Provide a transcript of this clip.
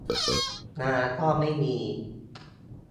นาก็ไม่มี